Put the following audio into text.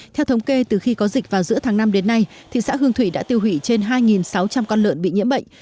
theo thống kê từ khi có dịch vào giữa tháng năm đến nay thị xã hương thủy đã tiêu hủy trên hai sáu trăm linh con lợn bị nhiễm bệnh